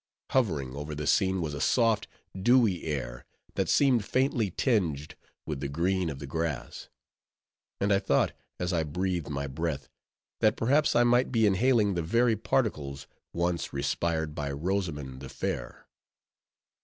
Hovering over the scene was a soft, dewy air, that seemed faintly tinged with the green of the grass; and I thought, as I breathed my breath, that perhaps I might be inhaling the very particles once respired by Rosamond the Fair.